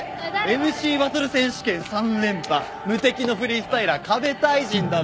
ＭＣバトル選手権３連覇無敵のフリースタイラーＫＡＢＥ太人だべ。